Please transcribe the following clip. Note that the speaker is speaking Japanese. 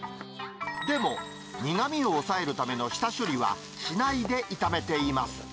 でも、苦みを抑えるための下処理はしないで炒めています。